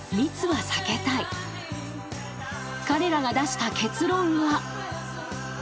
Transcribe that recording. ［彼らが出した結論は］